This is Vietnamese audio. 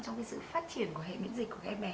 trong cái sự phát triển của hệ miễn dịch của các em bé